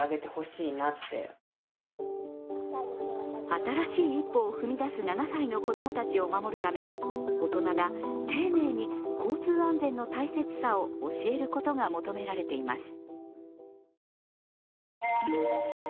新しい一歩を踏み出す７歳の子供たちを守るため大人が丁寧に交通安全の大切さを教えることが求められています。